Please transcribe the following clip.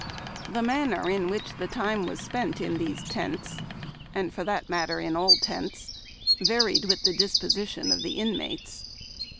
The manner in which the time was spent in these tents — and, for that matter, in all tents — varied with the disposition SIHLEY TENT. — INSIDE VIEW. of the inmates.